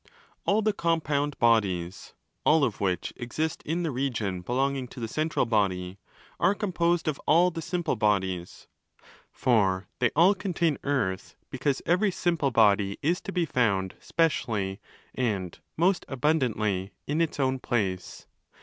All the compound bodies—all of which exist in the 8 region belonging to the central body °—are composed of all the 'simple' bodies. For they all contain Earth because every 'simple' body is to be found specially and most abundantly in its own place.